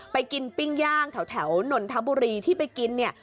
ไปกินปิ้งย่างแถวนนทบุรีที่ไปกินเนี่ย